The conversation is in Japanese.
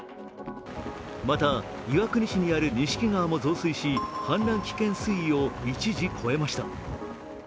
また、岩国市にある錦川も増水し、氾濫危険水位を一時、超えました。